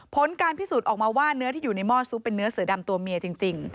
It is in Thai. ผลการพิสูจน์ออกมาว่าเนื้อที่อยู่ในหม้อซุปเป็นเนื้อเสือดำตัวเมียจริง